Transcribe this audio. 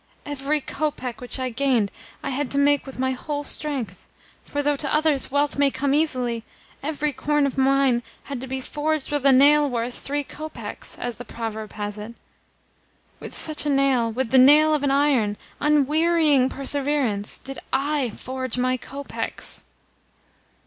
Every kopeck which I gained I had to make with my whole strength; for though, to others, wealth may come easily, every coin of mine had to be 'forged with a nail worth three kopecks' as the proverb has it. With such a nail with the nail of an iron, unwearying perseverance did I forge my kopecks."